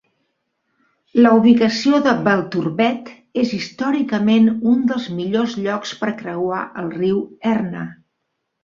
La ubicació de Belturbet és històricament un dels millors llocs per creuar el riu Erne.